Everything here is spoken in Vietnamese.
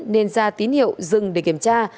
nên ra tín hiệu dừng để kiểm tra